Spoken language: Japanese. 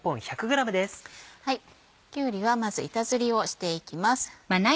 きゅうりはまず板ずりをしていきます。